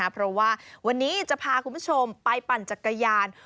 เพราะว่าวันนี้จะพาคุณผู้ชมไปปั่นจักรยาน